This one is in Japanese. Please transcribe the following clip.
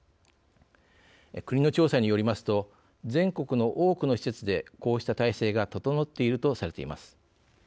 国の調査によりますと全国の多くの施設でこうした体制が整っているとされています。